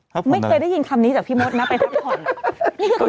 ไม่เคยได้ยินคำนี้จากพี่มดนะไปพักผ่อน